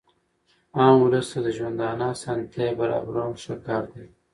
عام اولس ته د ژوندانه اسانتیاوي برابرول ښه کار دئ.